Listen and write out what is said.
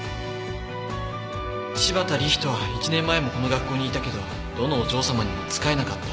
柴田理人は１年前もこの学校にいたけどどのお嬢さまにも仕えなかった。